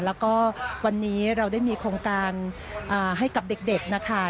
แล้วก็วันนี้เราได้มีโครงการให้กับเด็กนะคะ